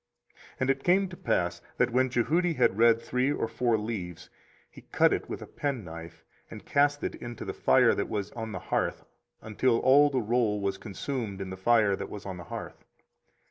24:036:023 And it came to pass, that when Jehudi had read three or four leaves, he cut it with the penknife, and cast it into the fire that was on the hearth, until all the roll was consumed in the fire that was on the hearth.